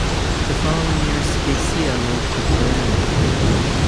The following year Sciascia moved to Palermo.